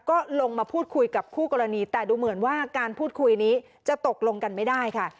ก็ลงมาพูดคุยกับคู่กรณีแต่ดูเหมือนว่าการพูดคุยนี้จะตกลงกันไม่ได้ค่ะ